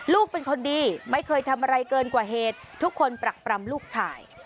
ลูกเป็นคนดีไม่เคยทำอะไรเกินกว่าเหตุทุกคนปรักปรำลูกชาย